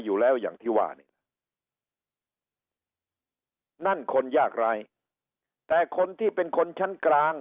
อยู่แล้วอย่างที่ว่าเนี่ยนั่นคนยากร้ายแต่คนที่เป็นคนชั้นกลาง